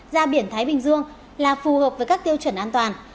ra biển thái bình dương là phù hợp với các tiêu chuẩn an toàn